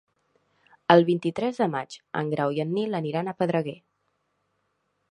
El vint-i-tres de maig en Grau i en Nil aniran a Pedreguer.